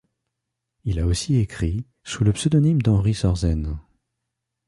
Il a aussi écrit, sous le pseudonyme d'Henri Sorsène.